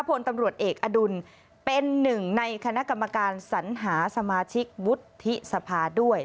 พลตำรวจเอกอดุลเป็นหนึ่งในคณะกรรมการสัญหาสมาชิกวุฒิสภาด้วย